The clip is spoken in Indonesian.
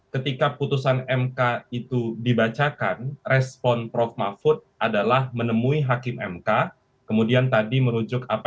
ketika putusan mk itu dibacakan respon prokret